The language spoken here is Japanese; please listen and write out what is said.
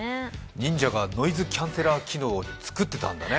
忍者がノイズキャンセラー機能を作っていたんだね。